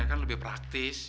kan lebih praktis